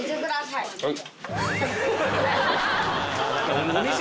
はい。